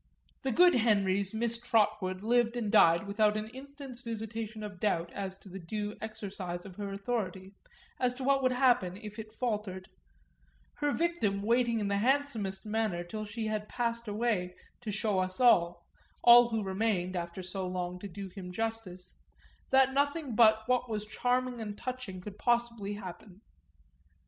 The good Henry's Miss Trotwood lived and died without an instant's visitation of doubt as to the due exercise of her authority, as to what would happen if it faltered; her victim waiting in the handsomest manner till she had passed away to show us all all who remained, after so long, to do him justice that nothing but what was charming and touching could possibly happen.